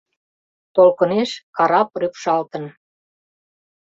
Толкынеш карап рӱпшалтын.